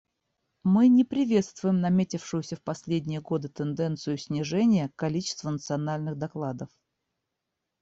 Мы не приветствуем наметившуюся в последние годы тенденцию снижения количества национальных докладов.